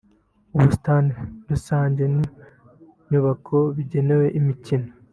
ubusitani rusange n’inyubako bigenewe imikino